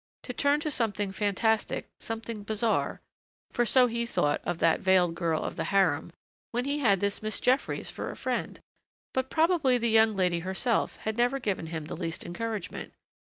To turn to something fantastic, something bizarre for so he thought of that veiled girl of the harem when he had this Miss Jeffries for a friend but probably the young lady herself had never given him the least encouragement.